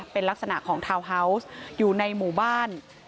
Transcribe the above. เป็นลักษณะของทาวน์ฮาวส์อยู่ในหมู่บ้าน